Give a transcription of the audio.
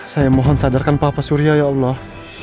saya mohon sadarkan bapak surya ya allah